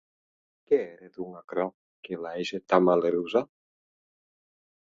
Qué ère, donc, aquerò que la hège tan malerosa?